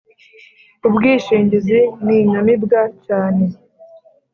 ubwishingizi ninyamibwa cyane